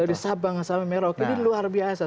dari sabang sampai merauke ini luar biasa